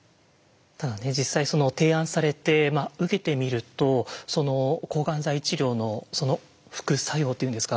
ただね実際その提案されて受けてみると抗がん剤治療の副作用というんですか